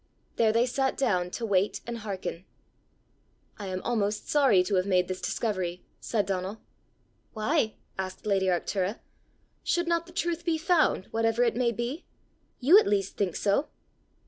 There they sat down to wait and hearken. "I am almost sorry to have made this discovery!" said Donal. "Why?" asked lady Arctura. "Should not the truth be found, whatever it may be? You at least think so!"